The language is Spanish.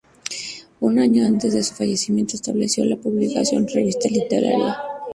Un año antes de su fallecimiento, estableció la publicación "Revista Literaria".